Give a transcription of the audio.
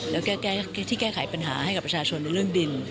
แล้วแก้ไขปัญหาให้กับประชาชนในเรื่องดิน